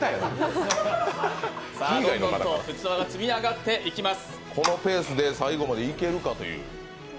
どんどんと器が積み上がっていきます。